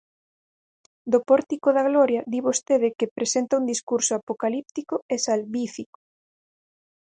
Do Pórtico da Gloria di vostede que presenta un discurso apocalíptico e salvífico.